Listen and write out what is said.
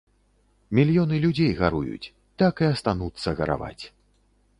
Мільёны людзей гаруюць, так і астануцца гараваць.